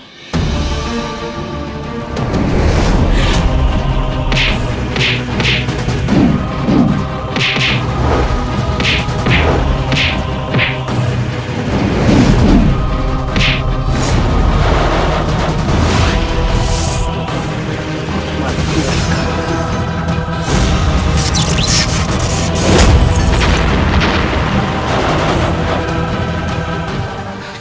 kami tidak tahu sana